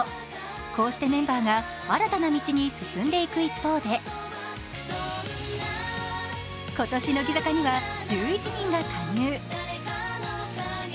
こうしてメンバーが新たな道に進んでいく一方で今年、乃木坂には１１人が加入。